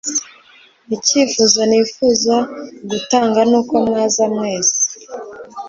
iKIfuzo nifuza gutanga nuko mwaza mwese